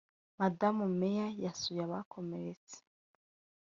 Madamu May yasuye abakomeretse